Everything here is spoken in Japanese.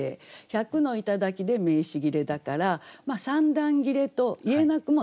「百の頂」で名詞切れだから三段切れと言えなくもないです。